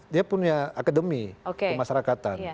dia punya akademi kemasyarakatan